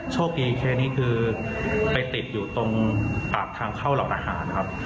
โชคดีแค่นี้คือไปติดอยู่ตรงปากทางเข้าหลักอาหารนะครับ